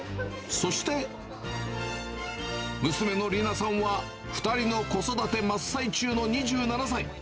そして、娘の莉菜さんは、２人の子育て真っ最中の２７歳。